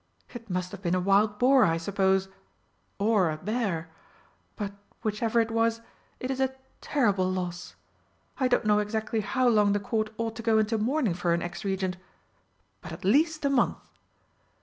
It must have been a wild boar, I suppose or a bear. But, whichever it was, it is a terrible loss. I don't know exactly how long the Court ought to go into mourning for an ex Regent but at least a month!"